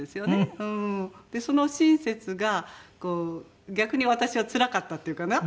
その親切が逆に私はつらかったっていうかな。